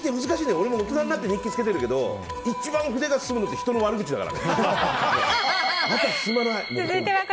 俺も大人になって日記つけてるけど一番、筆が進むのって人の悪口だから。